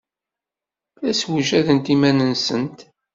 La ssewjadent iman-nsent.